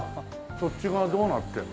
そっち側どうなってるの？